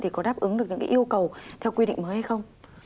có đáp ứng được những yêu cầu theo quy định mới hay không